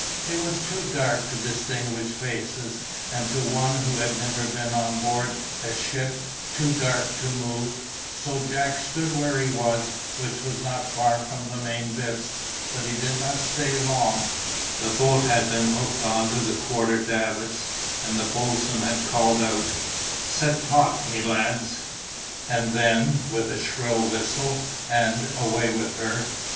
It was too dark to distinguish faces, and to one who had never been on board of a ship, too dark to move, so Jack stood where he was, which was not far from the main bitts, but he did not stay long; the boat had been hooked on to the quarter davits, and the boatswain had called out: "Set taut, my lads!" And then, with a shrill whistle, and "Away with her!"